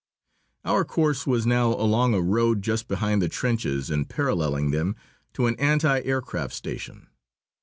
Our course was now along a road just behind the trenches and paralleling them, to an anti aircraft station.